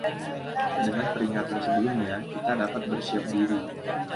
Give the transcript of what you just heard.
Dengan peringatan sebelumnya, kita dapat bersiap diri.